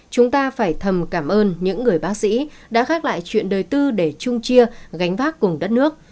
chúng ta phải thầm cảm ơn những người bác sĩ đã gác lại chuyện đời tư để chung chia gánh vác cùng đất nước